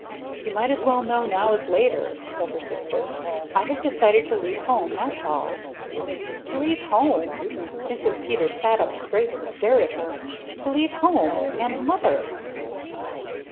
"You might as well know now as later," said her sister. "I have decided to leave home, that's all." "To leave home!" Mrs. Peters sat up straight and stared at her. "To leave home! And Mother!"